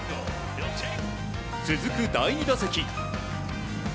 続く第２打席。